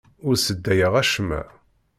Ur sseddayeɣ acemma.